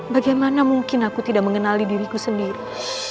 bagaimana mungkin aku tidak mengenali diriku sendiri